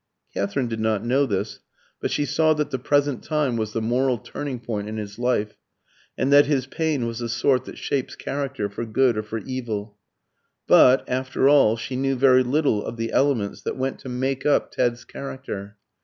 Katherine did not know this, but she saw that the present time was the moral turning point in his life, and that his pain was the sort that shapes character for good or for evil. But, after all, she knew very little of the elements that went to make up Ted's character.